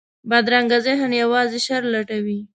بدرنګه ذهن یوازې شر لټوي